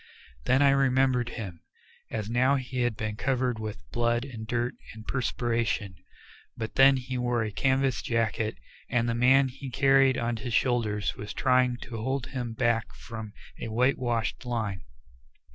Then I remembered him. As now he had been covered with blood and dirt and perspiration, but then he wore a canvas jacket and the man he carried on his shoulders was trying to hold him back from a white washed line.